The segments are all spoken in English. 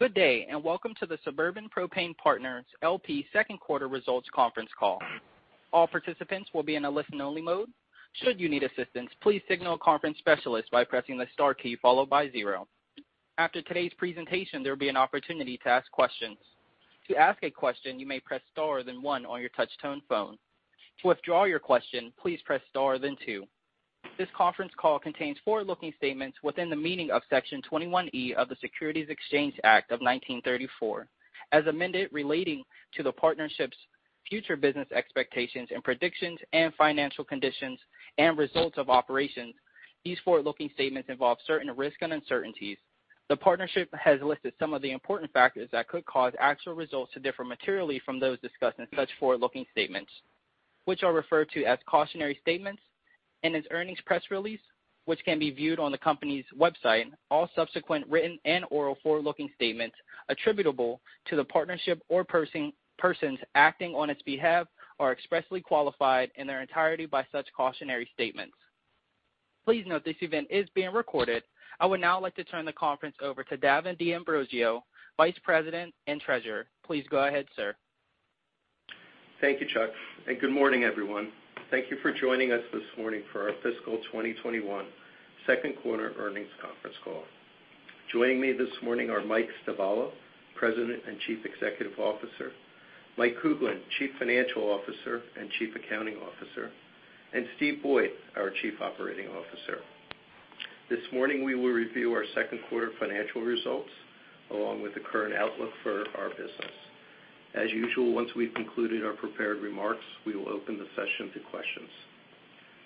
Good day. Welcome to the Suburban Propane Partners, L.P. second quarter results conference call. This conference call contains forward-looking statements within the meaning of Section 21E of the Securities Exchange Act of 1934. As amended relating to the partnership's future business expectations and predictions and financial conditions and results of operations. These forward-looking statements involve certain risks and uncertainties. The Partnership has listed some of the important factors that could cause actual results to differ materially from those discussed in such forward-looking statements, which are referred to as cautionary statements in its earnings press release, which can be viewed on the company's website. All subsequent written and oral forward-looking statements attributable to the Partnership or persons acting on its behalf are expressly qualified in their entirety by such cautionary statements. Please note this event is being recorded. I would now like to turn the conference over to Davin D'Ambrosio, Vice President and Treasurer. Please go ahead, sir. Thank you, Chuck, and good morning, everyone. Thank you for joining us this morning for our fiscal 2021 second quarter earnings conference call. Joining me this morning are Michael Stivala, President and Chief Executive Officer, Michael Kuglin, Chief Financial Officer and Chief Accounting Officer, and Steven Boyd, our Chief Operating Officer. This morning, we will review our second quarter financial results, along with the current outlook for our business. As usual, once we've concluded our prepared remarks, we will open the session to questions.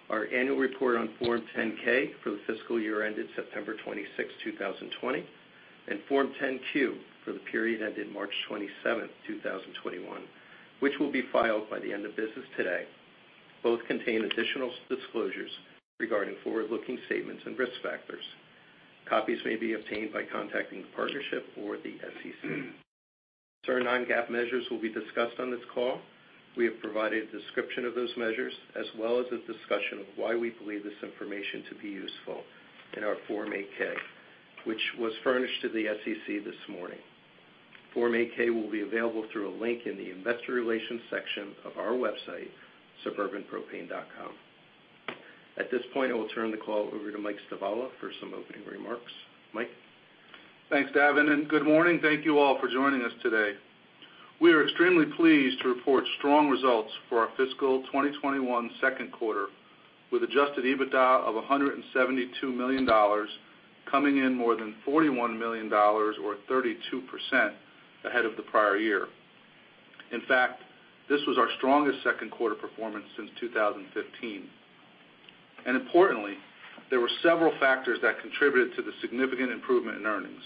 Our annual report on Form 10-K for the fiscal year ended September 26, 2020, and Form 10-Q for the period that ended March 27, 2021, will be filed by the end of business today. Both contain additional disclosures regarding forward-looking statements and risk factors. Copies may be obtained by contacting the partnership or the SEC. Certain non-GAAP measures will be discussed on this call. We have provided a description of those measures, as well as a discussion of why we believe this information to be useful in our Form 8-K, which was furnished to the SEC this morning. Form 8-K will be available through a link in the investor relations section of our website, suburbanpropane.com. At this point, I will turn the call over to Michael Stivala for some opening remarks. Mike? Thanks, Davin. Good morning. Thank you all for joining us today. We are extremely pleased to report strong results for our fiscal 2021 second quarter, with Adjusted EBITDA of $172 million, coming in more than $41 million or 32% ahead of the prior year. In fact, this was our strongest second quarter performance since 2015. Importantly, there were several factors that contributed to the significant improvement in earnings.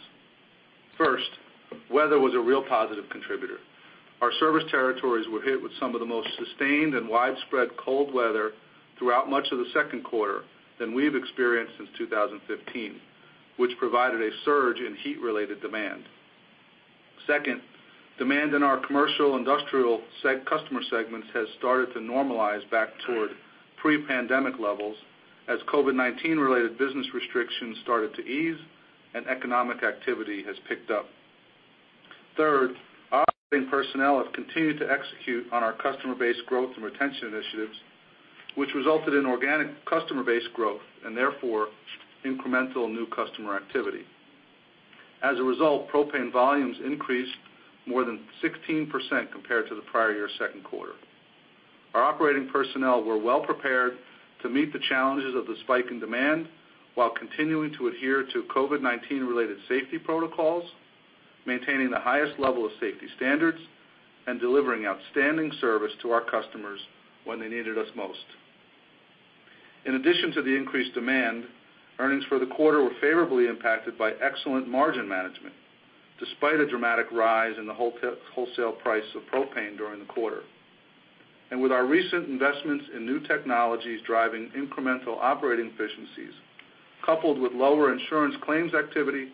First, weather was a real positive contributor. Our service territories were hit with some of the most sustained and widespread cold weather throughout much of the second quarter than we've experienced since 2015, which provided a surge in heat-related demand. Second, demand in our commercial industrial customer segments has started to normalize back toward pre-pandemic levels as COVID-19 related business restrictions started to ease and economic activity has picked up. Third, operating personnel have continued to execute on our customer base growth and retention initiatives, which resulted in organic customer base growth and therefore incremental new customer activity. As a result, propane volumes increased more than 16% compared to the prior year second quarter. Our operating personnel were well prepared to meet the challenges of the spike in demand while continuing to adhere to COVID-19 related safety protocols, maintaining the highest level of safety standards, and delivering outstanding service to our customers when they needed us most. In addition to the increased demand, earnings for the quarter were favorably impacted by excellent margin management, despite a dramatic rise in the wholesale price of propane during the quarter. With our recent investments in new technologies driving incremental operating efficiencies, coupled with lower insurance claims activity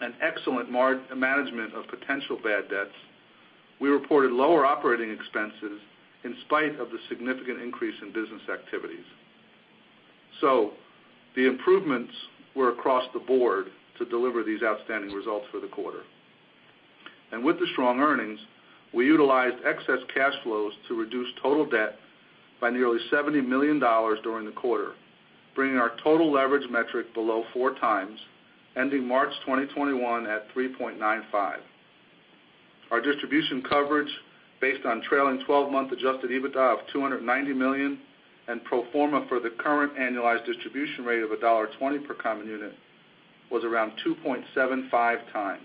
and excellent management of potential bad debts, we reported lower operating expenses in spite of the significant increase in business activities. The improvements were across the board to deliver these outstanding results for the quarter. With the strong earnings, we utilized excess cash flows to reduce total debt by nearly $70 million during the quarter, bringing our total leverage metric below 4x, ending March 2021 at 3.95. Our distribution coverage, based on trailing 12-month Adjusted EBITDA of $290 million and pro forma for the current annualized distribution rate of $1.20 per common unit, was around 2.75x.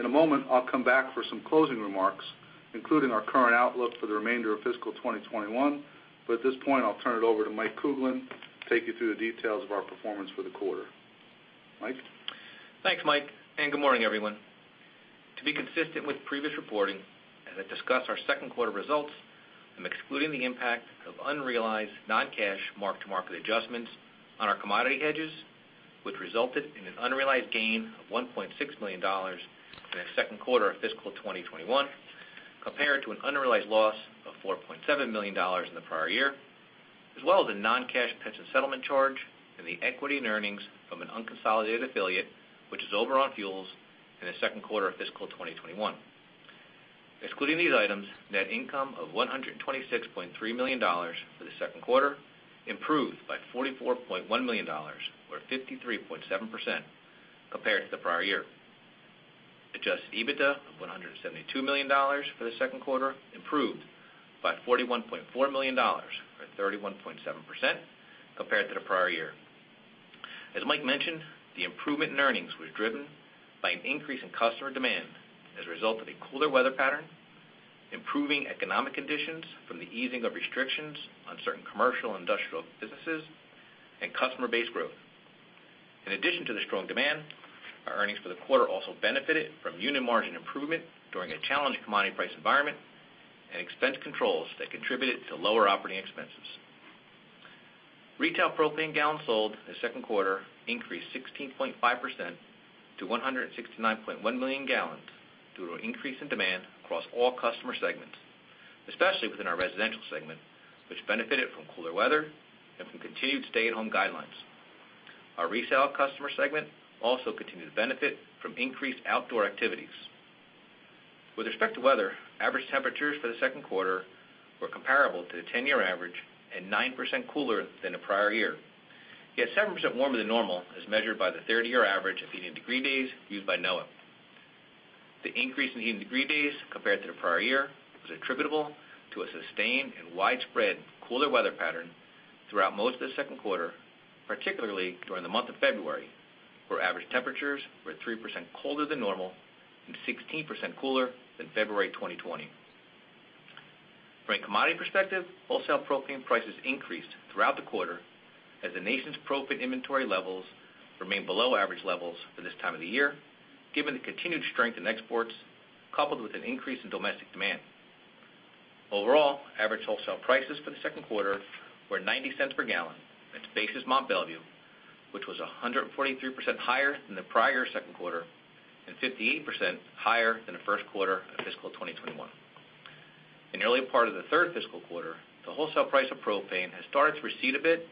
In a moment, I'll come back for some closing remarks, including our current outlook for the remainder of fiscal 2021. At this point, I'll turn it over to Michael Kuglin to take you through the details of our performance for the quarter. Mike? Thanks, Mike, and good morning, everyone. To be consistent with previous reporting, as I discuss our second quarter results, I'm excluding the impact of unrealized non-cash mark-to-market adjustments on our commodity hedges, which resulted in an unrealized gain of $1.6 million in the second quarter of fiscal 2021, compared to an unrealized loss of $4.7 million in the prior year. A non-cash pension settlement charge and the equity and earnings from an unconsolidated affiliate, which is Oberon Fuels in the second quarter of fiscal 2021. Excluding these items, net income of $126.3 million for the second quarter improved by $44.1 million, or 53.7%, compared to the prior year. Adjusted EBITDA of $172 million for the second quarter improved by $41.4 million, or 31.7%, compared to the prior year. As Mike mentioned, the improvement in earnings was driven by an increase in customer demand as a result of a cooler weather pattern, improving economic conditions from the easing of restrictions on certain commercial and industrial businesses, and customer base growth. In addition to the strong demand, our earnings for the quarter also benefited from unit margin improvement during a challenged commodity price environment and expense controls that contributed to lower operating expenses. Retail propane gallons sold in the second quarter increased 16.5% to 169.1 million gallons due to an increase in demand across all customer segments, especially within our residential segment, which benefited from cooler weather and from continued stay-at-home guidelines. Our resale customer segment also continued to benefit from increased outdoor activities. With respect to weather, average temperatures for the second quarter were comparable to the 10-year average and 9% cooler than the prior year, yet 7% warmer than normal, as measured by the 30-year average of heating degree days used by NOAA. The increase in heating degree days compared to the prior year was attributable to a sustained and widespread cooler weather pattern throughout most of the second quarter, particularly during the month of February, where average temperatures were 3% colder than normal and 16% cooler than February 2020. From a commodity perspective, wholesale propane prices increased throughout the quarter as the nation's propane inventory levels remained below average levels for this time of the year, given the continued strength in exports, coupled with an increase in domestic demand. Overall, average wholesale prices for the second quarter were $0.90 per gallon at basis Mont Belvieu, which was 143% higher than the prior second quarter and 58% higher than the first quarter of fiscal 2021. In the early part of the third fiscal quarter, the wholesale price of propane has started to recede a bit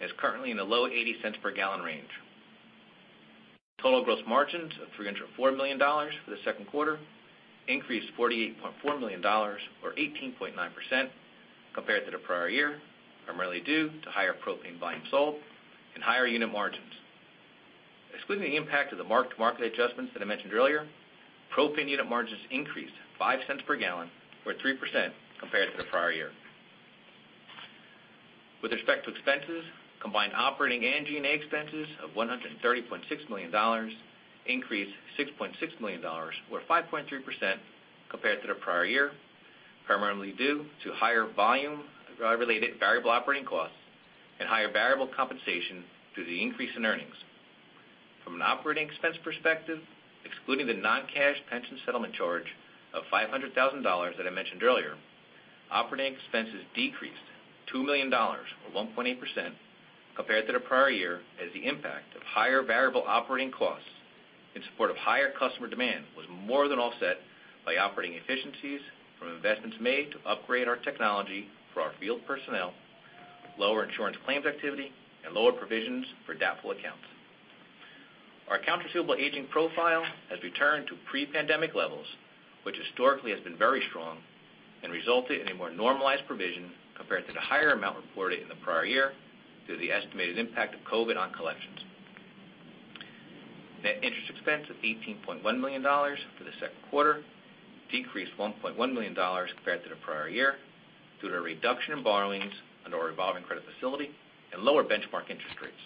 and is currently in the low $0.80 per gallon range. Total gross margins of $304 million for the second quarter increased $48.4 million, or 18.9%, compared to the prior year, primarily due to higher propane volume sold and higher unit margins. Excluding the impact of the mark-to-market adjustments that I mentioned earlier, propane unit margins increased $0.05 per gallon, or 3%, compared to the prior year. With respect to expenses, combined operating and G&A expenses of $130.6 million increased $6.6 million, or 5.3%, compared to the prior year, primarily due to higher volume-related variable operating costs and higher variable compensation due to the increase in earnings. From an operating expense perspective, excluding the non-cash pension settlement charge of $500,000 that I mentioned earlier, operating expenses decreased $2 million, or 1.8%, compared to the prior year, as the impact of higher variable operating costs in support of higher customer demand was more than offset by operating efficiencies from investments made to upgrade our technology for our field personnel, lower insurance claims activity, and lower provisions for doubtful accounts. Our accounts receivable aging profile has returned to pre-pandemic levels, which historically has been very strong and resulted in a more normalized provision compared to the higher amount reported in the prior year due to the estimated impact of COVID-19 on collections. Net interest expense of $18.1 million for the second quarter decreased $1.1 million compared to the prior year due to a reduction in borrowings under our revolving credit facility and lower benchmark interest rates.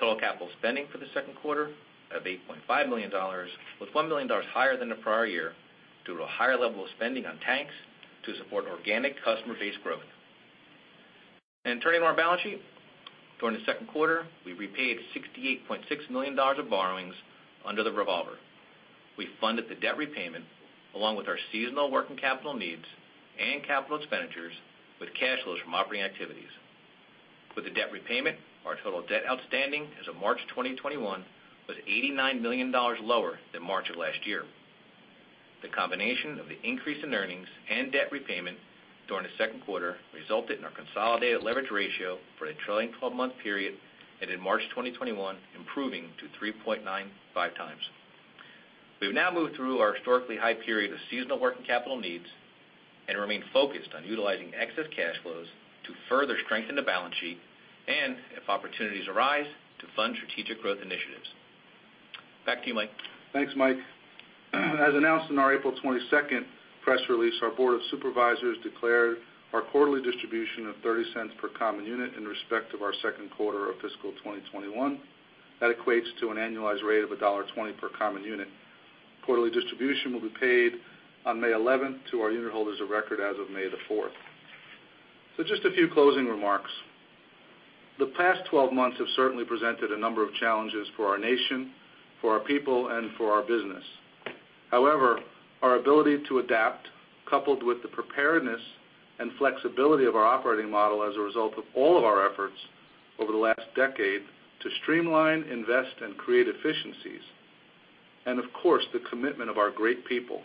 Total capital spending for the second quarter of $8.5 million was $1 million higher than the prior year due to a higher level of spending on tanks to support organic customer base growth. Turning to our balance sheet. During the second quarter, we repaid $68.6 million of borrowings under the revolver. We funded the debt repayment along with our seasonal working capital needs and capital expenditures with cash flows from operating activities. With the debt repayment, our total debt outstanding as of March 2021 was $89 million lower than March of last year. The combination of the increase in earnings and debt repayment during the second quarter resulted in our consolidated leverage ratio for the trailing 12-month period ending March 2021 improving to 3.95x. We've now moved through our historically high period of seasonal working capital needs and remain focused on utilizing excess cash flows to further strengthen the balance sheet and, if opportunities arise, to fund strategic growth initiatives. Back to you, Mike. Thanks, Mike. As announced in our April 22nd press release, our Board of Supervisors declared our quarterly distribution of $0.30 per common unit in respect of our second quarter of fiscal 2021. That equates to an annualized rate of $1.20 per common unit. Quarterly distribution will be paid on May 11th to our unit holders of record as of May the 4th. Just a few closing remarks. The past 12 months have certainly presented a number of challenges for our nation, for our people, and for our business. However, our ability to adapt, coupled with the preparedness and flexibility of our operating model as a result of all of our efforts over the last decade to streamline, invest, and create efficiencies, and of course, the commitment of our great people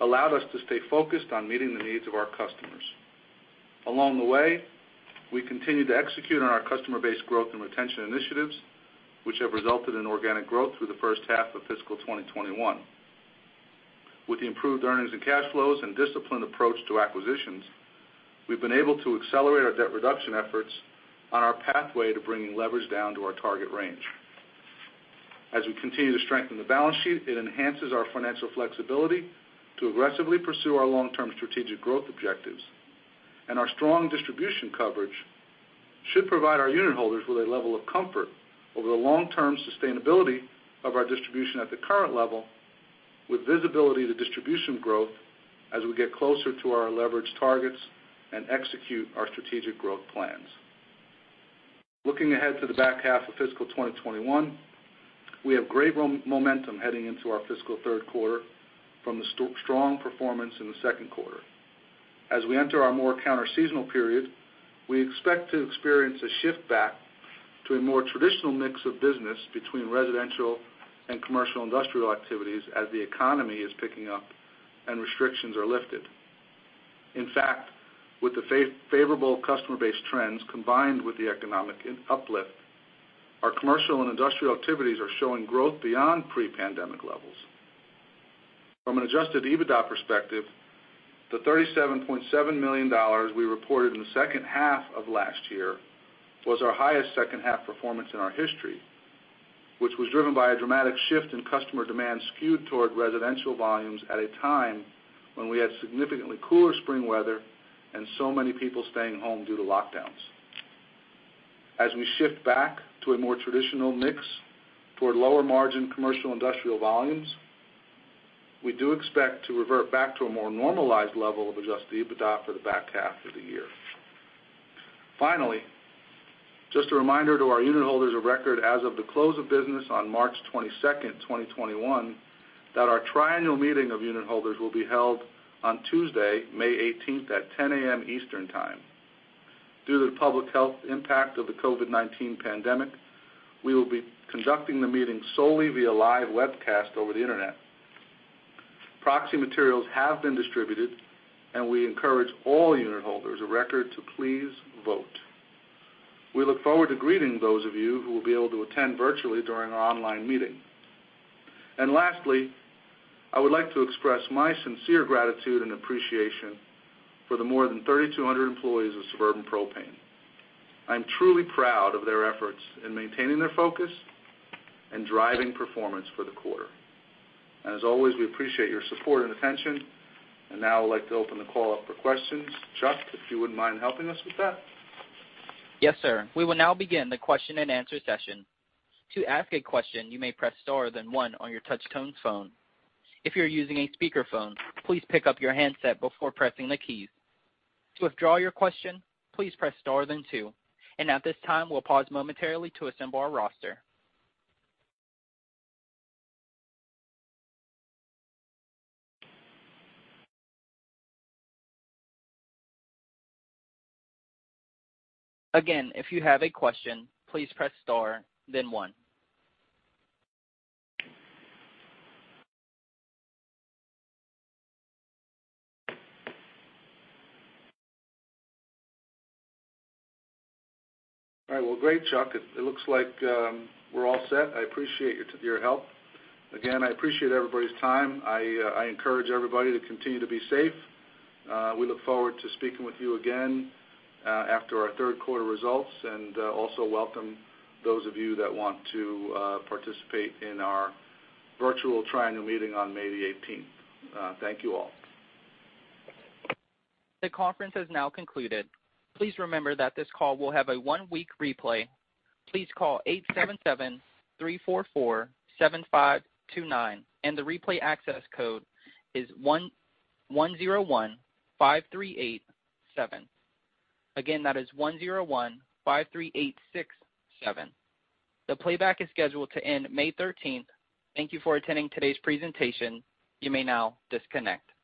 allowed us to stay focused on meeting the needs of our customers. Along the way, we continued to execute on our customer base growth and retention initiatives, which have resulted in organic growth through the first half of fiscal 2021. With the improved earnings and cash flows and disciplined approach to acquisitions, we've been able to accelerate our debt reduction efforts on our pathway to bringing leverage down to our target range. As we continue to strengthen the balance sheet, it enhances our financial flexibility to aggressively pursue our long-term strategic growth objectives, and our strong distribution coverage should provide our unit holders with a level of comfort over the long-term sustainability of our distribution at the current level, with visibility to distribution growth as we get closer to our leverage targets and execute our strategic growth plans. Looking ahead to the back half of fiscal 2021, we have great momentum heading into our fiscal third quarter from the strong performance in the second quarter. As we enter our more counter seasonal period, we expect to experience a shift back to a more traditional mix of business between residential and commercial industrial activities as the economy is picking up and restrictions are lifted. In fact, with the favorable customer base trends, combined with the economic uplift, our commercial and industrial activities are showing growth beyond pre-pandemic levels. From an Adjusted EBITDA perspective, the $37.7 million we reported in the second half of last year was our highest second half performance in our history, which was driven by a dramatic shift in customer demand skewed toward residential volumes at a time when we had significantly cooler spring weather and so many people staying home due to lockdowns. As we shift back to a more traditional mix toward lower margin commercial industrial volumes, we do expect to revert back to a more normalized level of Adjusted EBITDA for the back half of the year. Finally, just a reminder to our unit holders of record as of the close of business on March 22nd, 2021, that our triennial meeting of unit holders will be held on Tuesday, May 18th at 10:00 A.M. Eastern Time. Due to the public health impact of the COVID-19 pandemic, we will be conducting the meeting solely via live webcast over the internet. Proxy materials have been distributed and we encourage all unit holders of record to please vote. We look forward to greeting those of you who will be able to attend virtually during our online meeting. Lastly, I would like to express my sincere gratitude and appreciation for the more than 3,200 employees of Suburban Propane. I'm truly proud of their efforts in maintaining their focus and driving performance for the quarter. As always, we appreciate your support and attention. Now I'd like to open the call up for questions. Chuck, if you wouldn't mind helping us with that. Yes, sir. We will now begin the question and answer session. To ask a question, you may press star then one on your touch tone phone. If you're using a speakerphone, please pick up your handset before pressing the keys. To withdraw your question, please press star then two. At this time, we'll pause momentarily to assemble our roster. Again, if you have a question, please press star then one. All right. Well, great, Chuck. It looks like we're all set. I appreciate your help. Again, I appreciate everybody's time. I encourage everybody to continue to be safe. We look forward to speaking with you again after our third quarter results, and also welcome those of you that want to participate in our virtual triennial meeting on May the 18th. Thank you all. The conference has now concluded. Please remember that this call will have a one-week replay. Please call 877-344-7529, and the replay access code is 1015387. Again, that is 10153867. The playback is scheduled to end May 13th. Thank you for attending today's presentation. You may now disconnect.